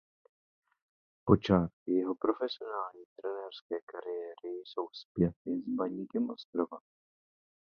Počátky jeho profesionální trenérské kariéry jsou spjaty s Baníkem Ostrava.